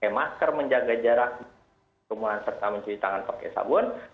masker menjaga jarak kemuliaan serta mencuci tangan pakai sabun